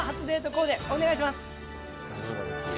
コーデお願いします。